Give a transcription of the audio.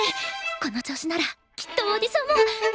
この調子ならきっとオーディションも。